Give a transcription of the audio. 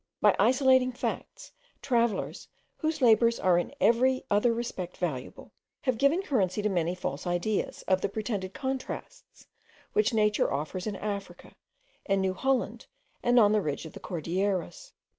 By isolating facts, travellers, whose labours are in every other respect valuable, have given currency to many false ideas of the pretended contrasts which Nature offers in Africa, in New Holland, and on the ridge of the Cordilleras.